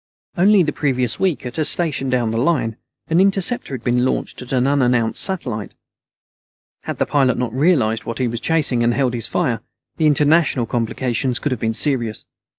Only the previous week, at a station down the line, an interceptor had been launched at an unannounced satellite. Had the pilot not realized what he was chasing and held his fire, the international complications could have been serious.